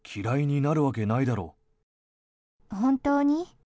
本当に？